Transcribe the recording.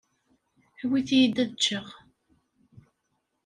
Awit-iyi-d ad ččeɣ.